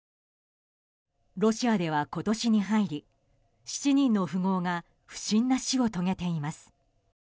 ロシアでは今年に入り７人の富豪が不審な死を遂げています。